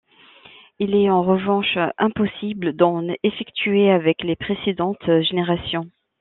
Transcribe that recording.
Il est en revanche impossible d'en effectuer avec les précédentes générations.